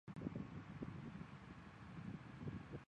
之后左派的影响力逐渐壮大。